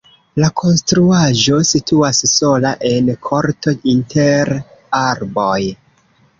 La konstruaĵo situas sola en korto inter arboj.